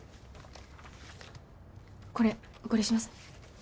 これお借りしますね